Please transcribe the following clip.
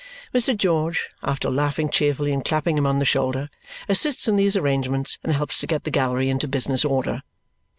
Mr. George, after laughing cheerfully and clapping him on the shoulder, assists in these arrangements and helps to get the gallery into business order.